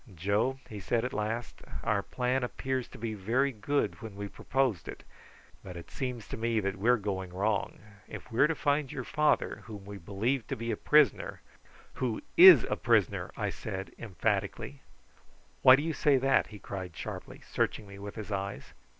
"Joe," he said at last, "our plan appeared to be very good when we proposed it, but it seems to me that we are going wrong. If we are to find your father, whom we believe to be a prisoner " "Who is a prisoner!" I said emphatically. "Why do you say that?" he cried sharply, searching me with his eyes.